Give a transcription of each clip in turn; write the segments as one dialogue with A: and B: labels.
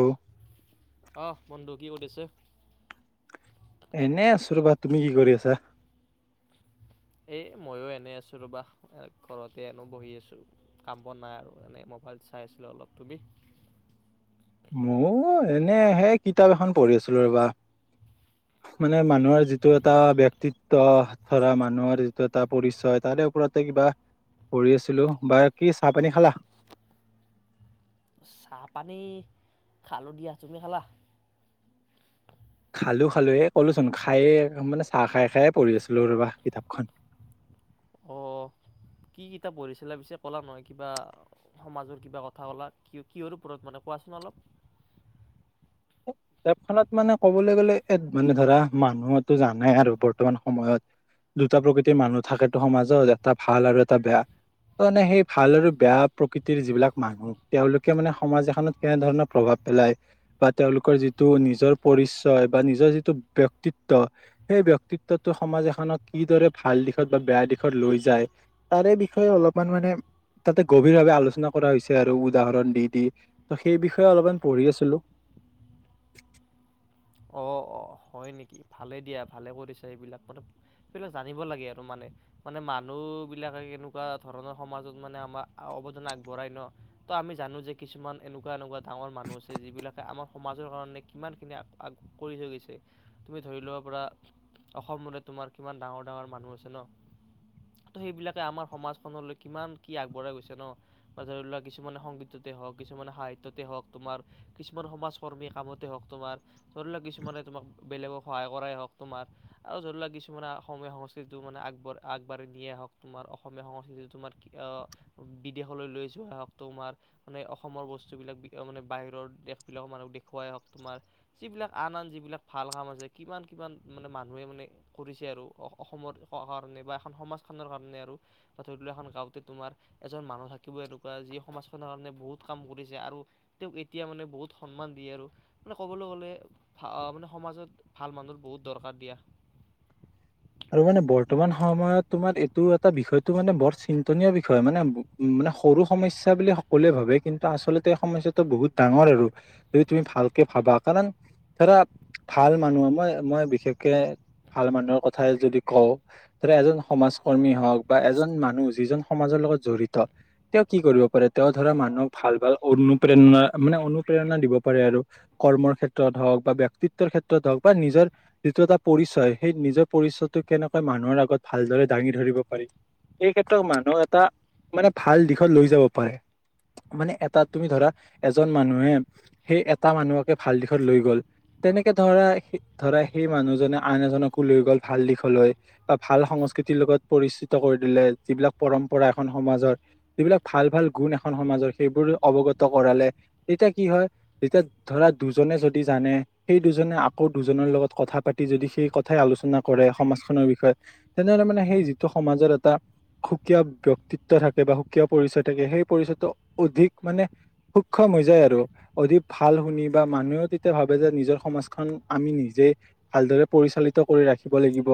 A: উম
B: আহ বন্ধু কি কৰিছে
A: এনে আছো ৰবা তুমি কি কৰি আছা
B: এই ময়ো এনেই আছোঁ ৰ'বা ঘৰতে এনো বহি আছোঁ কাম বন নাই আৰু এনেই মোবাইল চাই আছিলো অলপ তুমি
A: অ এনে সেই কিতাপ এখন পঢ়ি আছিলো ৰবা মানে মানুহৰ যিটো এটা ব্যক্তিত্ত ধৰা মানুহৰ যিটো এটা পৰিচয় তাৰে ওপৰতে কিবা পঢ়ি আছিলো, বাকি চাহ পানী খালা?
B: চাহ পানী খালো দিয়া, তুমি খালা?
A: খালো খালো এ ক'লোচোন খায়ে মানে চাহ খাই খায়ে পঢ়ি আছিলো ৰব কিতাপখন
B: অ কি কিতাপ পঢ়িছিলা পিছে কলা নহয় কিবা সমাজৰ কিবা কথা ক'লা কিহৰ ওপৰত মানে কোৱাচোন অলপ
A: কিতাপখনত মানে কবলৈ গ'লে মানে ধৰা মানুহো জানাই আৰু বৰ্তমান সময়ত দুটা প্ৰকৃতিৰ মানুহ থাকেতো সমাজত এটা ভাল আৰু এটা বেয়া তানে সেই ভাল আৰু বেয়া প্ৰকৃতিৰ যিবিলাক মানুহ তেওঁলোকে মানে সমাজ এখনত কেনেধৰণৰ প্ৰভাৱ পেলায় বা তেওঁলোকৰ যিটো নিজৰ পৰিচয় বা নিজৰ যিটো ব্যক্তিত্ব সেই ব্যক্তিত্বটো সমাজ এখনক কিদৰে ভাল দিশত বা বেয়া দিশত লৈ যায় তাৰে বিষয়ে অলপমান মানে তাতে গভীৰ ভাৱে আলোচনা কৰা হৈছে আৰু উদাহৰণ দি দি ত সেই বিষয়ে অলপমান পঢ়ি আছিলো
B: অ অঁ হয় নেকি ভালে দিয়া ভালে কৰিছা এইবিলাক মানে সেইবিলাক জানিব লাগে আৰু মানে মানে মানুহবিলাকে কেনেকুৱা ধৰণৰ সমাজত মানে আমাৰ অৱদান আগবঢ়াই ন তো আমি জানো যে কিছুমান এনেকুৱা এনেকুৱা ডাঙৰ মানুহ আছে যিবিলাকে আমাৰ সমাজৰ কাৰণে কিমানখিনি আগ কৰি থৈ গৈছে তুমি ধৰি লোৱা পৰা অসমলৈ তোমাৰ কিমান ডাঙৰ ডাঙৰ মানুহ আছে ন ত সেইবিলাকে আমাৰ সমাজখনলৈ কিমান কি আগবঢ়াই গৈছে ন বা ধৰি লোৱা কিছুমানে সংগীততে হওঁক কিছুমানে সাহিত্যতে হওঁক তোমাৰ কিছুমান সমাজ কৰ্মী কামতে হওঁক তোমাৰ ধৰি লওঁক কিছু তোমাক বেলেগক সহায় কৰাই হওঁক তোমাৰ আৰু ধৰি লক কিছুমানে অসমীয়া সংস্কৃতিটো মানে আগবঢ আগবাঢ়ি নিয়েই হওঁক তমাৰ অসমীয়া সংস্কৃতিটো তোমাৰ আহ বিদেশলৈ লৈ যোৱাই হওঁক তোমাৰ মানে অসমৰ বস্তু বিলাক মানে বাহিৰৰ দেশ বিলাকক মানক দেখুৱাই হওঁক তোমাৰ যিবিলাক আন আন যিবিলাক ভাল কাম আছে কিমান কিমান মানুহে মানে কৰিছে আৰু অসমৰ কাৰণে বা এখন সমাজখনৰ কাৰণে আৰু বা ধৰি লোৱা এখন গাঁওতে তোমাৰ এজন মানুহ থাকিব এনেকুৱা যিয়ে সমাজখনৰ কাৰণে বহুত কাম কৰিছে আৰু তেওঁক এতিয়া মানে বহুত সন্মান দিয়ে আৰু মানে কবলৈ গ'লে সমাজত ভাল মানুহৰ বহুত দৰকাৰ দিয়া
A: আৰু মানে বৰ্তমান সময়ত তোমাৰ এইটো এটা বিষয়টো মানে বৰ চিন্তনীয় বিষয় মানে উ মানে সৰু সমস্যা বুলি সকলোৱে ভাবে কিন্তু আচলতে এই সমস্যায়াটো বহুত ডাঙৰ আৰু যদি তুমি ভালকে ভাবা কাৰণ ধৰা ভাল মানুহ মই মই বিশেষকে ভাল মানুহৰ ঠাই যদি কওঁ ধৰা এজন সমাজ কৰ্মী হওঁক বা এজন মানুহ যিজন সমাজৰ লগত জড়িত তেওঁ কি কৰিব পাৰে তেওঁ ধৰা মানুহক ভাল ভাল অনুপ্ৰেৰণা মানে অনুপ্ৰেৰণা দিব পাৰে আৰু কৰ্মৰ ক্ষেত্ৰত হওঁক বা ব্যক্তিত্বৰ ক্ষেত্ৰত হওঁক বা নিজৰ যিটো এটা পৰিচয় সেই নিজৰ পৰিচয়টো কেনেকৈ মানুহৰ আগত ভালদৰে দাঙি ধৰিব পাৰি এই ক্ষেত্ৰত মানুহ এটা মানে ভাল দিশত লৈ যাব পাৰে মানে এটা তুমি ধৰা এজন মানুহে সেই এটা মানুহকে ভাল দিশত লৈ গ'ল তেনেকে ধৰা ধৰা সেই মানুহজনে আন এজনকো লৈ গ'ল ভাল দিশলৈ বা ভাল সংস্কৃতিৰ লগত পৰিচিত কৰি দিলে যিবিলাক পৰম্পৰা এখন সমাজৰ যিবিলাক ভাল ভাল গুণ এখন সমাজৰ সেইবোৰ অৱগত কৰালে এতিয়া কি হয় এতিয়া ধৰা দুজনে যদি জানে সেই দুজনে আকৌ দুজনৰ লগত কথা পাতি যদি সেই কথাই আলোচনা কৰে সমাজখনৰ বিষয়ে তেনেহলে মানে সেই যিটো সমাজৰ এটা সুকীয়া ব্যক্তিত্বৰ থাকে বা সুকীয়া পৰিচয় থাকে সেই পৰিচয়টো অধিক মানে সুক্ষম হৈ যায় আৰু অধিক ভাল শুনি বা মানুহেও তেতিয়া ভাবে যে নিজৰ সমাজখন আমি নিজেই ভালদৰে পৰিচালিত কৰি ৰাখি ৰাখিব লাগিব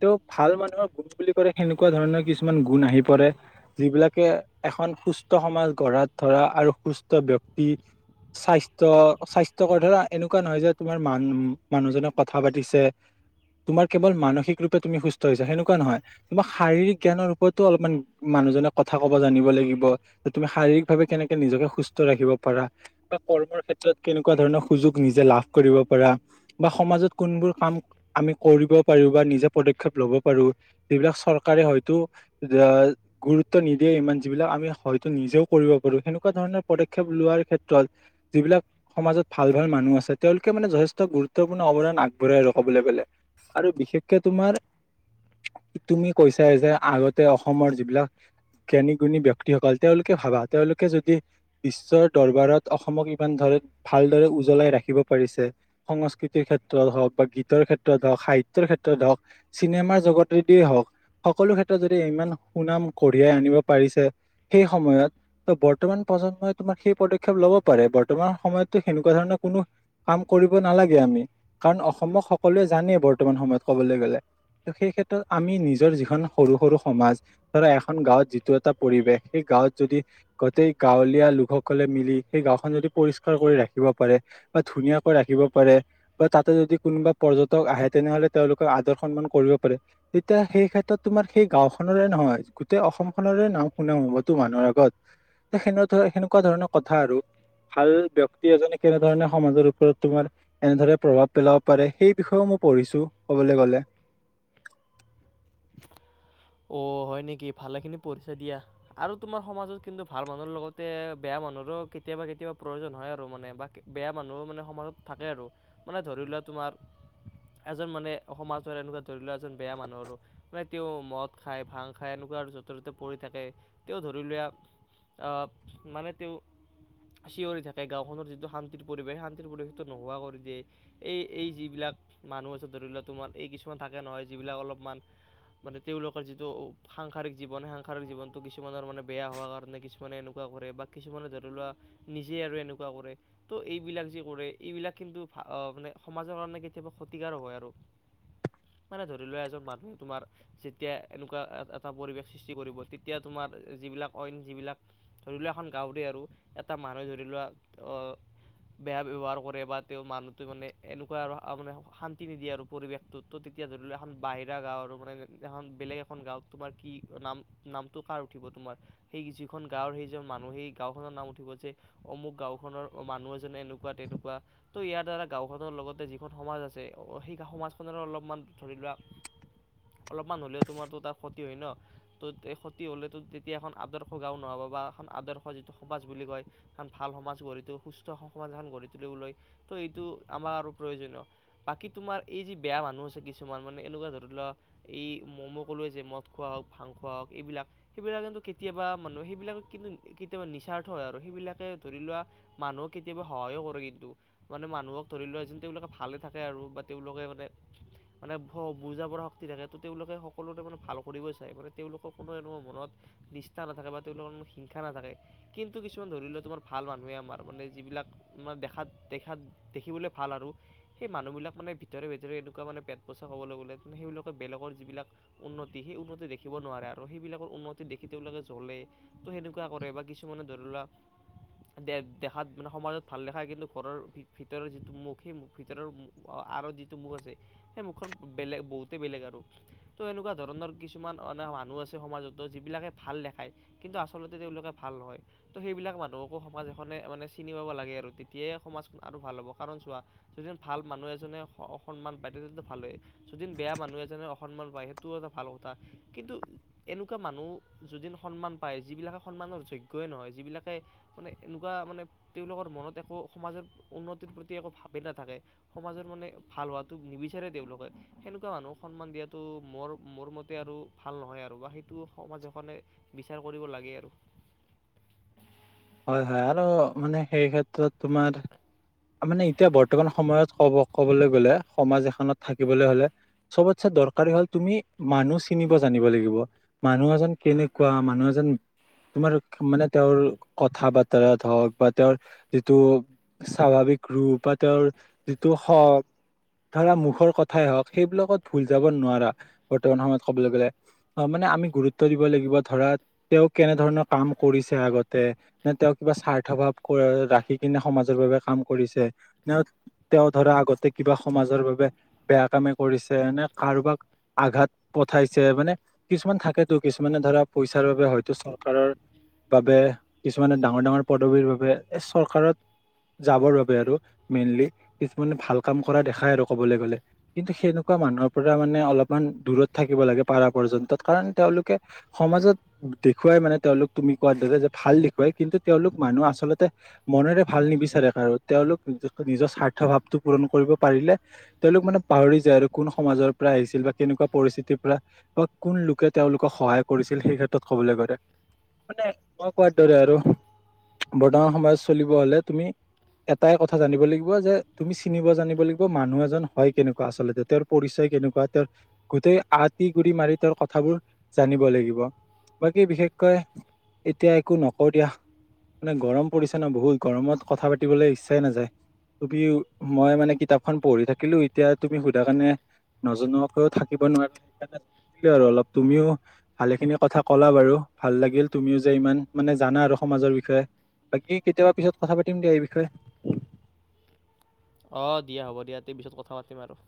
A: তেওঁ ভাল মানুহৰ গুণ বুলি কলে সেনেকুৱা ধৰণৰ কিছুমান গুণ আহি পৰে যিবিলাকে এখন সুস্থ সমাজ গঢ়াত ধৰা আৰু সুস্থ ব্যক্তি স্বাস্থ্য স্বাস্থ্যকৰ ধৰা এনেকুৱা নহয় যে তোমাৰ মান মানুহজনক কথা পাতিছে তোমাৰ কেৱল মানসিক ৰূপে তুমি সুস্থ হৈছো সেনেকুৱা নহয় তোমাক শাৰীৰিক জ্ঞানৰ ওপৰতো অলপমান মানুহজনে কথা কব জানিব লাগিব কি কেনে শাৰিৰীক ভাৱে কেনেকে নিজকে সুস্থ ৰাখিব পাৰা বা কৰ্মৰ ক্ষেত্ৰত কেনেকুৱা ধৰনৰ সুযোগ নিজে লাভ কৰিব পাৰা বা সমাজত কোনবোৰ কাম আমি কৰিব পাৰো বা নিজে পদক্ষেপ ল'ব পাৰো যিবিলাক চৰকাৰে হয়তো গুৰুত্ব নিদিয়ে ইমান যিবিলাক আমি হয়তো নিজেও কৰিব পাৰো সেনেকুৱা ধৰণৰ পদক্ষেপ লোৱাৰ ক্ষেত্ৰত যিবিলাক সমাজত ভাল ভাল মানুহ আছে তেওঁলোকে মানে যথেষ্ট গুৰুত্বপূৰ্ণ অৱদান আগবঢ়াই আৰু ক'বলে গলে আৰু বিশেষকে তোমাৰ, তুমি কৈছা যে আগতে অসমৰ যিবিলাক জ্ঞানী গুণী ব্যক্তিসকল তেওঁলোকে ভাবা তেওঁলোকে যদি বিশ্বৰ দৰবাৰত অসমক ইমান ধৰে ভালদৰে উজ্বলাই ৰাখিব পাৰিছে সংস্কৃতিৰ ক্ষেত্ৰত হওক বা গীতৰ ক্ষেত্ৰত ক সাহিত্যৰ ক্ষেত্ৰত হওঁক, চিনেমাৰ জগতে দিয়ে হওঁক, সকলো ক্ষেত্ৰত যদি ইমান সুনাম কঢ়িয়াই আনিব পাৰিছে সেই সময়ত। ত বৰ্তমান প্ৰজন্মই তোমাৰ সেই পদক্ষেপ লব পাৰে বৰ্তমান সময়তো সেনেকুৱা ধৰণৰ কোনো কাম কৰিব নালাগে আমি কাৰণ অসমক সক সকলোৱে জানে বৰ্তমান সময়ত ক'বলে গলে। সেই ক্ষেত্ৰত আমি নিজৰ যিখন সৰু-সৰু সমাজ ধৰা এখন গাঁৱত যিটো এটা পৰিৱেশ সেই গাঁৱত যদি গোটেই গাঁৱলীয়া লোকসকলে মিলি সেই গাঁওখন যদি পৰিষ্কাৰ কৰি ৰাখিব পাৰে বা ধুনীয়াকৈ ৰাখিব পাৰে বা তাতো যদি কোনোবা পৰ্যটক আহে তেনেহলে তেওঁলোকক আদৰ সন্মান কৰিব পাৰে তেতিয়া সেই ক্ষেত্ৰত তোমাৰ সেই গাওখনৰে নহয় গোটেই অসমখনৰে নাম শুনাও হবতো মানুহৰ আগত সেনে সেনেকুৱা ধৰণৰ কথা আৰু। ভাল ব্যক্তি এজনে কেনেধৰণে সমাজৰ ওপৰত তোমাৰ এনেধৰে প্ৰভাৱ পেলাব পাৰে সেই বিষয়ে মই পঢ়িছো কবলে গলে।
B: অ হয় নেকি ভালেখিনি পঢ়িচা দিয়া আৰু তোমাৰ সমাজত কিন্তু ভাল মানুহৰ লগতে বেয়া মানুহৰো কেতিয়াবা-কেতিয়াবা প্ৰয়োজন হয় আৰু মানে বা বেয়া মানুহো মানে সমাজত থাকে আৰু মানে ধৰি লোৱা তোমাৰ এজন মানে সমাজৰ এনেকুৱা ধৰি লোৱা এজন বেয়া মানুহৰ আৰু মানে তেওঁ মত খাই ভাং খায় এনেকুৱা আৰু য'তে ত'তে পৰি থাকে তেওঁ ধৰি লোৱা মানে তেওঁ চিঞৰি থাকে গাঁওখনৰ যিটো শান্তিৰ পৰিৱেশ শান্তিৰ পৰিৱেশটো নোহোৱা কৰি দিয়ে এই এই যিবিলাক মানুহ আছে ধৰি লোৱা তোমাৰ এই কিছুমান থাকে নহয় যিবিলাক অলপমান মানে তেওঁলোক যিটো সাংসাৰিক জীৱন সে সাসাৰিক জীৱনটো কিছুমানৰ মানে বেয়া হোৱা কাৰণে কিছুমানে এনেকুৱা কৰে বা কিছুমানে ধৰি লোৱা নিজে আৰু এনেকুৱা কৰে। ত' এইবিলাক যে কৰে, এইবিলাক কিন্তু আ মানে সমাজৰ কাৰণে কেতিয়াবা ক্ষতিকাৰ হয় আৰু মানে ধৰি লোৱা এজন মানুহে তোমাৰ চিত এতিয়া এনেকুৱা এ এটা পৰিৱেশ সৃষ্টি কৰিব তেতিয়া তোমাৰ যিবিলাক অইন যিবিলাক ধৰি লোৱা এখন গাঁৱৰে আৰু এটা মানুহে ধৰি লোৱা অ বেয়া ব্যৱহাৰ কৰে বা তেওঁ মানুহটোৱে মানে এনেকুৱা আৰু মানে শান্তি নিদিয়ে আৰু পৰিৱেশটোত ত তেতিয়া ধৰি লোৱা এখন বাহিৰা গাঁও আৰু মানে এহন বেলেগ এখন গাঁওত তোমাৰ কি নাম নামটো কাৰ উঠিব তোমাৰ সেই যিখন গাঁওৰ সেইজন মানুহ সেই গাঁওখনৰ নাম উঠিব যে অমুক গাঁওখনৰ মানুহ এজনে এনেকুৱা তেনেকুৱা ত' ইয়াৰ দ্বাৰা গাওখনৰ লগতে যিখন সমাজ আছে সেই সমাজখনৰো অলপমান ধৰি লোৱা অলপমান হ'লেও তোমাৰতো তাৰ ক্ষতি হয় ন? ত' এই ক্ষতি হ'লেতো তেতিয়া এখন আদৰ্শ গাও নহ'ব বা এখন আদৰ্শ যিটো সমাজ বুলি কয় এখন ভাল সমাজ গঢ়িটো সুস্থ সমাজ এখন গঢ়ি তুলিবলৈ ত' এইটো আমাৰ আৰু প্ৰয়োজনীয় বাকী তোমাৰ এই যি বেয়া মানুহ আছে কিছুমান মানে এনেকুৱা ধৰি লোৱা এই মম' কলোৱে যে মদ খোৱা হওক, ভাং খোৱা হওক এইবিলাক সেইবিলাক কিন্তু কেতিয়াবা মানুহ সেইবিলাক কিন্তু কেতিয়াবা নিস্বাৰ্থ হয় আৰু সেইবিলাকে ধৰি লোৱা মানুহক কেতিয়াবা সহায়ো কৰে কিন্তু, মানে মানুহক ধৰি লোৱা যে তেওঁলোকে ভালে থাকে আৰু বা তেওঁলোকে মানে-মানে ব বুজা বৰা কি কৰে ত তেওঁলোকে সকলোতে মানে ভাল কৰিবই চায় মানে তেওঁলোকৰ কোনো মানু মনত নিষ্ঠা নাথাকে বা তেওঁলোকৰ মনত হিংসা নাথাকে কিন্তু কিছুমান ধৰি লওক তোমাৰ ভাল মানুহে আমাৰ মানে যিবিলাক মানে দেখাত-দেখাত দেখিবলৈ ভাল আৰু সেই মানুহবিলাক মানে ভিতৰে-ভিতৰে এনেকুৱা মানে পেট পচা ক'বলে গ'লে সেইবিলাক বেলেগৰ যিবিলাক উন্নতি সেই উন্নতি দেখিব নোৱাৰে আৰু সেইবিলাকৰ উন্নতি দেখি তেওঁলোকে জ্বলে ত সেনেকুৱা কৰে বা কিছুমানে ধৰি লোৱা দে-দেখাত মানে সমাজত ভাল দেখা কিন্তু ঘৰৰ ভিতৰৰ যিটো মুখ সেই ভিতৰৰ আঁৰত যিটো মুখ আছে সেই মুখখন বেলেগ বহুত তে বেলেগ আৰু তো এনেকুৱা ধৰণৰ কিছুমান এনে মানুহ আছে সমাজতো যিবিলাকে ভাল দেখায় কিন্তু আচলতে তেওঁলোকে ভাল নহয়, ত' সেইবিলাক মানুহকো সমাজ এখনে মানে চিনি পাব লাগে আৰু তেতিয়াই সমাজখন আৰু ভাল হ'ব কাৰণ চোৱা যদি ভাল মানুহ এজনে স সন্মান পায় তে ভালেই যদি বেয়া মানুহ এজনে অসন্মান পায় সেইটোও এটা ভাল কথা কিন্তু এনেকুৱা মানুহ যদিন সন্মান পায় যিবিলাকে সন্মানৰ যোগ্যই নহয় যিবিলাকে মানে এনেকুৱা মানে তেওঁলোকৰ মনত একো সমাজৰ উন্নতিৰ প্ৰতি একো ভাৱে নাথাকে সমাজৰ মানে ভাল হোৱাটো নিবিচাৰে তেওঁলোকে সেনেকুৱা মানুহক সন্মান দিয়াতটো মোৰ-মোৰ মতে আৰু ভাল নহয় আৰু বা সেইটো সমাজ এখনে বিচাৰ কৰিব লাগে আৰু।
A: হয় হয় আৰু মানে সেই ক্ষেত্ৰত তোমাৰ আমি মানে এতিয়া বৰ্তমান সময়ত কব কবলে গলে সমাজ এখনত থাকিবলে হলে চবতচে দৰকাৰী হল তুমি মানুহ চিনিব জানিব লাগিব। মানুহ এজন কেনেকুৱা মানুহ এজন তোমাৰ মানে তেওঁৰ কথা বতৰাত হওক বা তেওঁৰ যিটো চি স্বাভাৱিক ৰূপ বা তেওঁৰ যিটো হওঁক ধৰা মুখৰ কথাই হওঁক সেইবিলাকত ভুল যাব নোৱাৰা বৰ্তমান সময়ত কবলে গলে অ মানে আমি গুৰুত্ব দিব লাগিব ধৰা তেওঁ কেনেধৰণৰ কাম কৰিছে আগতে, নে তেওঁ কিবা স্বাৰ্থ ভাৱ ক ৰাখি কিনে সমাজৰ বাবে কাম কৰিছে, নে তেওঁ ধৰা আগতে কিবা সমাজৰ বাবে বেয়া কামে কৰিছে, নে কাৰোবাক আঘাত পঠাইছে মানে কিছুমান থাকেতো কিছুমানে ধৰা পইচাৰ বাবে হয়তো চৰকাৰৰ বাবে কিছুমানে ডাঙৰ-ডাঙৰ পদবীৰ বাবে এই চৰকাৰত যাবৰ বাবে আৰু মেইনলি কিছুমানে ভাল কাম কৰা দেখাই আৰু কবলে গলে কিন্তু সেনেকুৱা মানুহৰ পৰা মানে অলপমান দূৰত থাকিব লাগে পাৰা পৰ্যন্তত কাৰণ তেওঁলোকে সমাজত দেখুৱাই মানে তেওঁলোক তুমি কোৱাৰ দৰে যে ভাল দেখুৱাই কিন্তু তেওঁলোক মানুহ আচলতে মনেৰে ভাল নিবিচাৰে, আৰু তেওঁলোক নিজৰ স্বাৰ্থ ভাৱটো পূৰণ কৰিব পাৰিলে তেওঁলোক মানে পাহৰি যায় আৰু কোন সমাজৰ পৰা আহিছিল বা কেনেকুৱা পৰিস্থিতিৰ পৰা বা কোন লোকে তেওঁলোকক সহায় কৰিছিল সেই ক্ষেত্ৰত কবলে গলে। মানে মই কোৱাৰ দৰে আৰু বৰ্তমান সময়ত চলিব হলে তুমি এটাই কথা জানিব লাগিব যে তুমি চিনিব জানিব লাগিব মানুহ এজন হয় কেনেকুৱা আচলতে তেওঁৰ পৰিচয় কেনেকুৱা তেওঁৰ গোটেই আতি গুৰি মাৰি তেওঁৰ কথাবোৰ জানিব লাগিব। বাকী বিশেষকৈ এতিয়া একো নকও দিয়া মানে গৰম পৰিছে ন বহুত গৰমত কথা পাতি পাতিবলৈ ইচ্ছা নাযায়। কিওকী মই মানে কিতাপখন পঢ়ি থাকিলো এতিয়া তুমি সোধা কাৰণে নজনোৱাকৈ থাকিব নোৱাৰা সেইকাৰণে জনাই দিলো আৰু অলপ তুমিও ভালে খিনি কথা কলা বাৰু ভাল লাগিল, তুমিও যে ইমান মানে জানা আৰু সমাজৰ বিষয়ে বাকী কেতিয়াবা পিছত কথা পাতিম দিয়া এই বি। কে [unintelligible]
B: অ দিয়া হ'ব দিয়া তে পিছত কথা পাতিম আৰু।